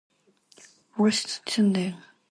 Bruce Sundlun.